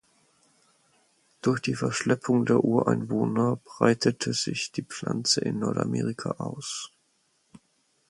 Durch die Verschleppung der Ureinwohner breitete sich die Pflanze in Nordamerika aus.